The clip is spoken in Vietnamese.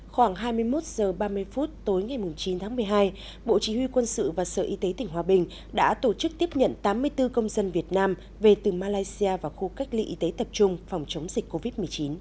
khoảng hai mươi một h ba mươi phút tối ngày chín tháng một mươi hai bộ chỉ huy quân sự và sở y tế tỉnh hòa bình đã tổ chức tiếp nhận tám mươi bốn công dân việt nam về từ malaysia vào khu cách ly y tế tập trung phòng chống dịch covid một mươi chín